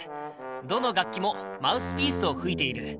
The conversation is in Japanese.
どの楽器もマウスピースを吹いている。